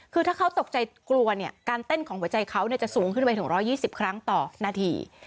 คือถ้าเขาตกใจกลัวเนี่ยการเต้นของหัวใจเขาจะสูงขึ้นไปถึง๑๒๐ครั้งต่อนาที